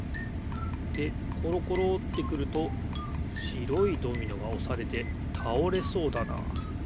でころころってくるとしろいドミノがおされてたおれそうだなあ。